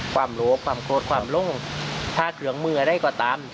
ความโหลกความโคตรความล่งถ้าเครื่องมืออะไรก็ตาม